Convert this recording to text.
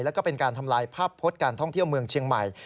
แล้วก็เป็นการทำลายภาพพจน์การท่องเที่ยวเมืองเชียงใหม่